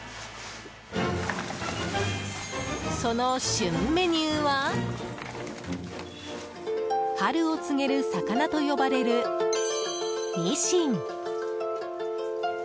その旬メニューは春を告げる魚と呼ばれるニシン。